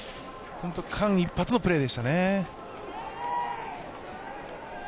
本当に間一髪のプレーでしたね。